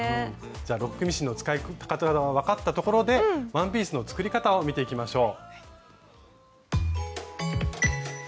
じゃあロックミシンの使い方が分かったところでワンピースの作り方を見ていきましょう。